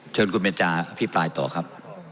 เชิญคุณเบนจาพิพายต่อครับ